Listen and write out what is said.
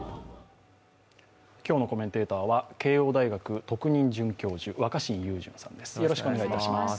今日のコメンテーターは慶応大学特任准教授、若新雄純さんです。